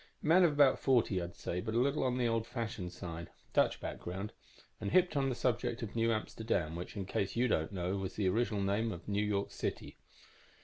Man of about forty, I'd say, but a little on the old fashioned side. Dutch background, and hipped on the subject of New Amsterdam, which, in case you don't know, was the original name of New York City."